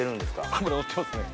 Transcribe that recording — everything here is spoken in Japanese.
脂のってますね。